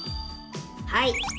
はい。